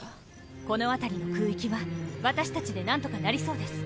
この辺りの空域は私たちで何とかなりそうです。